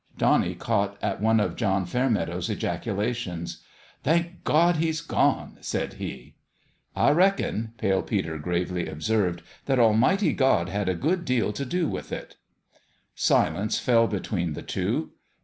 Bonnie caught at one of John Fairmeadow's ejaculations. " Thank God, he's gone !" said he. " I reckon," Pale Peter gravely observed, 44 that Almighty God had a good deal to do with it." Silence fell between the two.